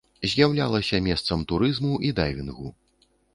З'яўлялася месцам турызму і дайвінгу.